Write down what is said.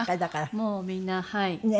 もうみんなはい。